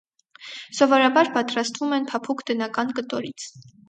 Սովորաբար պատրաստվում են փափուկ տնական կտորից։